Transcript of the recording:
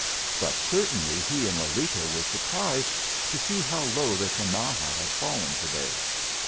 But certainly he and Lolita were surprised to see how low the Tinaja had fallen to day.